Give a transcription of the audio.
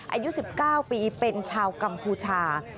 อายุ๑๙ปีเป็นชาวกัมพูชา